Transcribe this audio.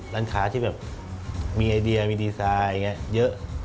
ร้านขาที่มีไอเดียมีวิเคราะห์เยอะ